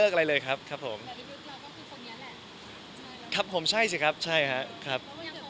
ยิ่งใหญ่อลังการอะไรครับครับครับ